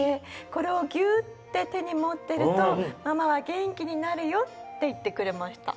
「これをギュッて手に持ってるとママは元気になるよ」って言ってくれました。